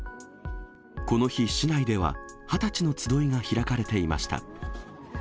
この日、市内では二十歳の集いが開かれていました。